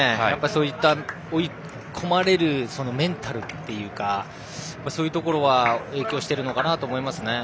そういった追い込まれるメンタルっていうかそういうところは影響しているのかなと思いますね。